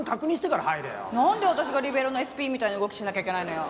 なんで私がリベロウのＳＰみたいな動きしなきゃいけないのよ。